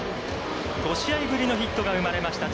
５試合ぶりのヒットが生まれました。